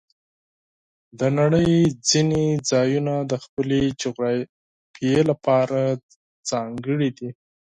د نړۍ ځینې ځایونه د خپلې جغرافیې لپاره ځانګړي دي.